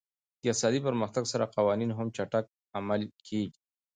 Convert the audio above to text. د اقتصادي پرمختګ سره قوانین هم چټک عملي کېږي.